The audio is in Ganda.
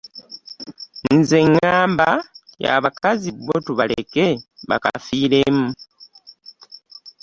Nze ngamba abakazi bbo tubaleke bakafiiremu